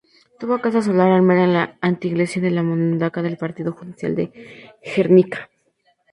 Tuvo casa solar armera en la anteiglesia de Mundaca, del partido judicial de Guernica.